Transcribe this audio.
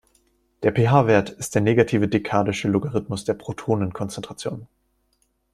Der pH-Wert ist der negative dekadische Logarithmus der Protonenkonzentration.